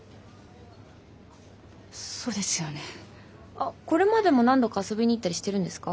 あっこれまでも何度か遊びに行ったりしてるんですか？